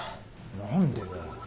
何でだよ。